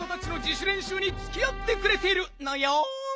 しゅれんしゅうにつきあってくれているのよん。